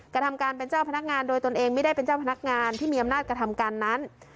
กระทำการเป็นเจ้าพนักงานโดยตนเองไม่ได้เป็นเจ้าพนักงานที่มีอำนาจกระทำการนั้น